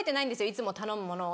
いつも頼むものを。